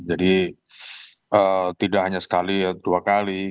jadi tidak hanya sekali dua kali